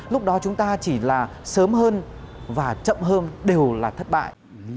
lúc đó chúng ta chỉ là sớm hơn và chậm hơn đều là thất bại